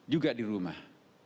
juga di rumah